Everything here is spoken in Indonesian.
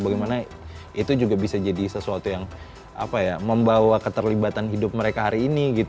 bagaimana itu juga bisa jadi sesuatu yang membawa keterlibatan hidup mereka hari ini